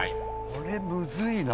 これむずいな。